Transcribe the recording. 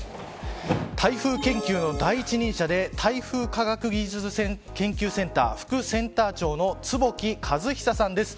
台風研究の第一人者で台風科学技術研究センター副センター長の坪木和久さんです。